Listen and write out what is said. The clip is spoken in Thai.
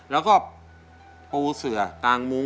แล้วก็ปูเสือกางมุ้ง